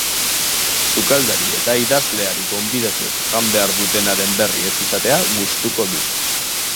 Sukaldari eta idazleari gonbidatuek jan behar dutenaren berri ez izatea gustuko du.